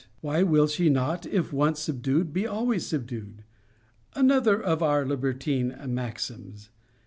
Why will she not, 'if once subdued, be always subdued?' Another of our libertine maxims.